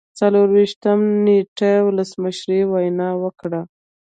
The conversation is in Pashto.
څلور ویشتم نیټې ولسمشر وینا وکړه.